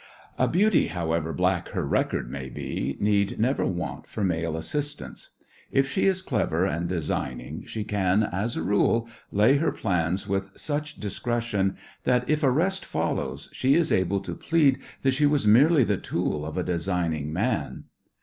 A beauty, however black her record may be, need never want for male assistance. If she is clever and designing she can, as a rule, lay her plans with such discretion that if arrest follows she is able to plead that she was merely the tool of a designing man.